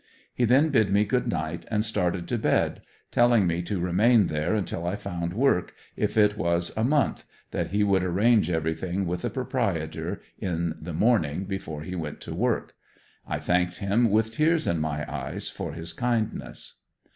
He then bid me good night and started to bed, telling me to remain there until I found work, if it was a month, that he would arrange everything with the proprietor in the morning before he went to work. I thanked him with tears in my eyes, for his kindness.